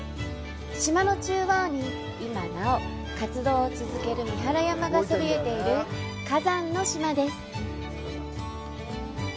島の中央に、今なお活動を続ける三原山がそびえている火山の島です。